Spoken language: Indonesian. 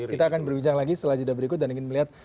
kita akan berbincang lagi setelah jeda berikut dan ingin melihat